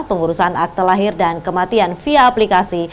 pengurusan akte lahir dan kematian via aplikasi